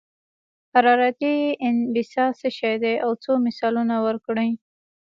حرارتي انبساط څه شی دی او څو مثالونه ورکړئ.